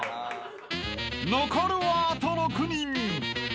［残るはあと６人］